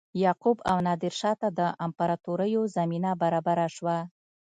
یعقوب او نادرشاه ته د امپراتوریو زمینه برابره شوه.